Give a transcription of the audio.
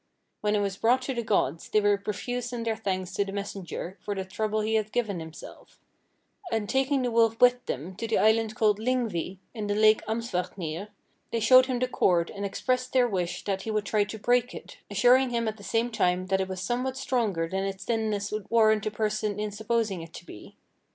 When it was brought to the gods, they were profuse in their thanks to the messenger for the trouble he had given himself; and taking the wolf with them to the island called Lyngvi, in the Lake Amsvartnir, they showed him the cord, and expressed their wish that he would try to break it, assuring him at the same time that it was somewhat stronger than its thinness would warrant a person in supposing it to be.